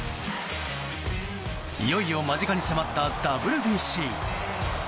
いよいよ間近に迫ったＷＢＣ。